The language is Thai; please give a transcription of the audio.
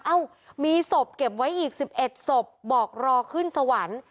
เอ้ามีศพเก็บไว้อีก๑๑ศพบอกรอขึ้นสวรรค์